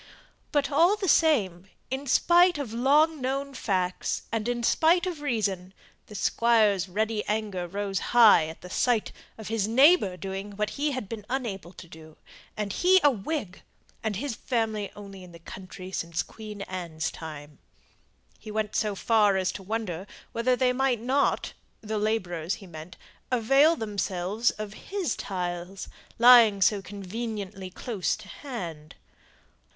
But all the same in spite of long known facts, and in spite of reason the Squire's ready anger rose high at the sight of his neighbour doing what he had been unable to do, and he a Whig, and his family only in the county since Queen Anne's time. He went so far as to wonder whether they might not the labourers he meant avail themselves of his tiles, lying so conveniently close to hand.